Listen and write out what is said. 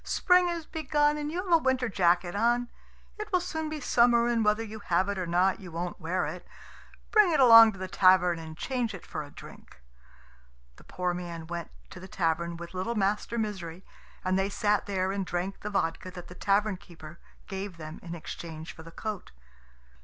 "Spring has begun, and you have a winter jacket on. It will soon be summer, and whether you have it or not you won't wear it. Bring it along to the tavern, and change it for a drink." The poor man went to the tavern with little Master Misery, and they sat there and drank the vodka that the tavern keeper gave them in exchange for the coat.